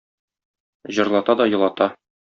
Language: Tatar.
Җырлата да елата.